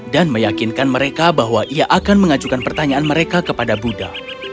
dan meyakinkan mereka bahwa ia akan mengajukan pertanyaan mereka kepada buddha